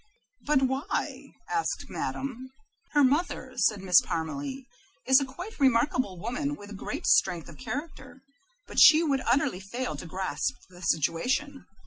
"But why?" asked Madame. "Her mother," said Miss Parmalee, "is a quite remarkable woman, with great strength of character, but she would utterly fail to grasp the situation."